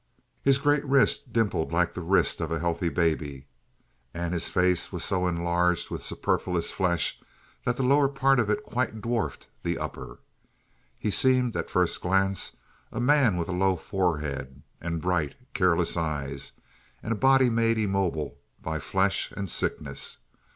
His great wrist dimpled like the wrist of a healthy baby, and his face was so enlarged with superfluous flesh that the lower part of it quite dwarfed the upper. He seemed, at first glance, a man with a low forehead and bright, careless eyes and a body made immobile by flesh and sickness.